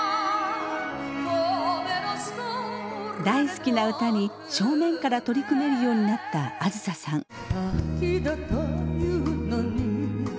大好きな歌に正面から取り組めるようになった梓さん。